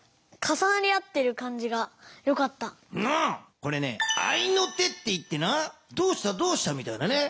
これね合いの手っていってな「どうしたどうした？」みたいなね。